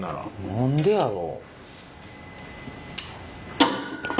何でやろ？